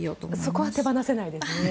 そこは手放せないですね。